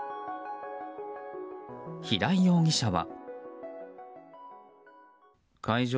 平井容疑者は。